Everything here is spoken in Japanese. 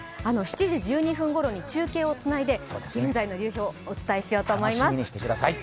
７時１２分ごろ、中継をつないで、現在の流氷お伝えしようと思います。